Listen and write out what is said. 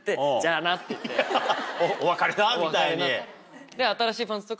お別れだみたいに。